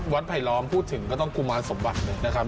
ไผลล้อมพูดถึงก็ต้องกุมารสมบัติเลยนะครับ